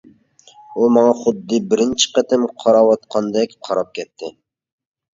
ئۇ ماڭا خۇددى بىرىنچى قېتىم قاراۋاتقاندەك قاراپ كەتتى.